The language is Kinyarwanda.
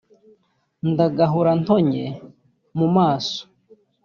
ndagahora ntonnye mu maso